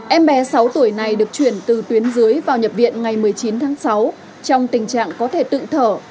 em bé sáu tuổi này được chuyển từ tuyến dưới vào nhập viện ngày một mươi chín tháng sáu trong tình trạng có thể tự thở